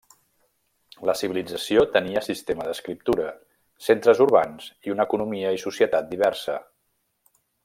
La civilització tenia sistema d'escriptura, centres urbans i una economia i societat diversa.